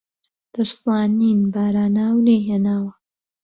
دەشزانین باراناو نەیهێناوە